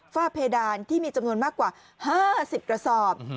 ฝ้าเพดานที่มีจำนวนมากกว่า๕๐กระสอบ